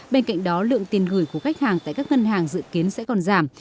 bên cạnh đó lượng tiền gửi của khách hàng tại các ngân hàng dự kiến sẽ còn giảm